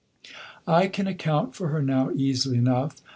I can account for her now easily enough.